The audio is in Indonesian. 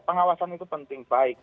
pengawasan itu penting baik